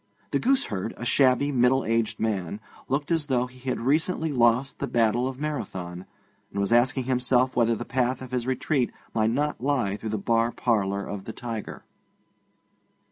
The gooseherd, a shabby middle aged man, looked as though he had recently lost the Battle of Marathon, and was asking himself whether the path of his retreat might not lie through the bar parlour of the Tiger.